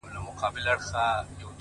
پوهېږې په جنت کي به همداسي ليونی یم’